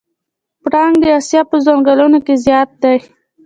پړانګ د اسیا په ځنګلونو کې زیات دی.